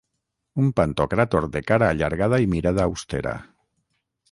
Un pantocràtor de cara allargada i mirada austera.